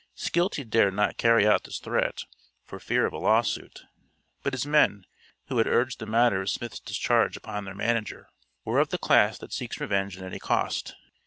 Skeelty dared not carry out this threat, for fear of a lawsuit, but his men, who had urged the matter of Smith's discharge upon their manager, were of the class that seeks revenge at any cost.